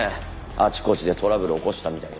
あちこちでトラブル起こしてたみたいで。